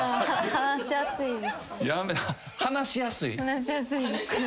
話しやすいです。